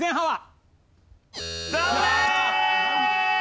残念！